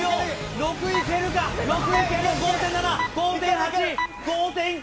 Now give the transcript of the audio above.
６いける５．７５．８５．９